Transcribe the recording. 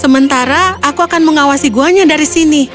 sementara aku akan mengawasi gua nya dari sini